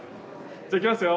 じゃいきますよ。